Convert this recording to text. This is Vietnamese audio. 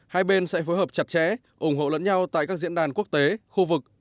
hai bên sẽ phối hợp chặt chẽ ủng hộ lẫn nhau tại các diễn đàn quốc tế khu vực